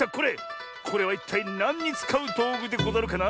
これはいったいなんにつかうどうぐでござるかな？